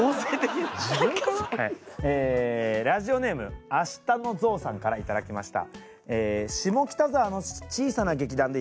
ラジオネームあしたのゾウさんからいただきました。